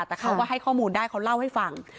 แต่เขาก็ให้ข้อมูลได้เขาเล่าให้ฟัง